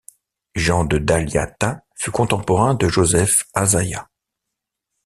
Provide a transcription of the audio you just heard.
Jean de Dalyatha fut contemporain de Joseph Hazzaya.